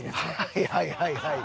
はいはいはいはい。